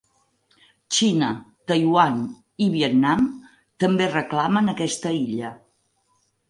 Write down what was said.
Xina, Taiwan i Vietnam també reclamen aquesta illa.